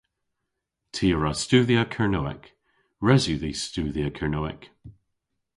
Ty a wra studhya Kernewek. Res yw dhis studhya Kernewek.